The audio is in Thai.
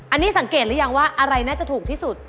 อันนี้สังเกตหรือยังว่าอะไรน่าจะถูกที่สุด